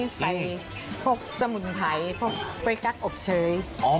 ใส่พวกสมุนไพรพวกกล้วยกั๊กอบเชย